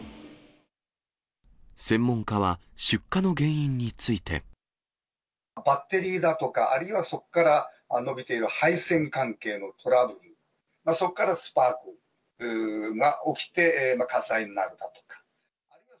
専門家は、バッテリーだとか、あるいはそこから伸びている配線関係のトラブル、そこからスパークが起きて、火災になるだとか。